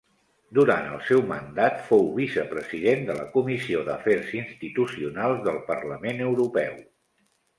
Durant el seu mandat fou vicepresident de la Comissió d'Afers Institucionals del Parlament Europeu.